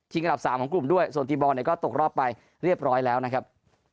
อันดับ๓ของกลุ่มด้วยส่วนทีมบอลเนี่ยก็ตกรอบไปเรียบร้อยแล้วนะครับ